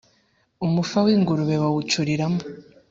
Umufa w'ingurube bawucuriramo!